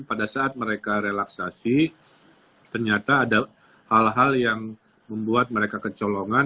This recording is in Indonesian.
pada saat mereka relaksasi ternyata ada hal hal yang membuat mereka kecolongan